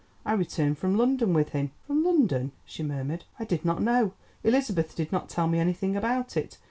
I returned from London with him." "From London," she murmured. "I did not know; Elizabeth did not tell me anything about it.